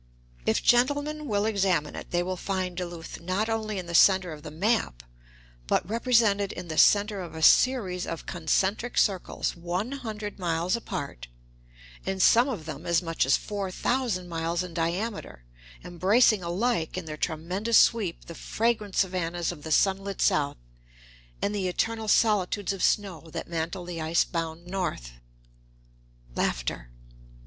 If gentlemen will examine it, they will find Duluth not only in the centre of the map, but represented in the centre of a series of concentric circles, one hundred miles apart, and some of them as much as four thousand miles in diameter, embracing alike in their tremendous sweep the fragrant savannas of the sun lit South and the eternal solitudes of snow that mantle the ice bound North.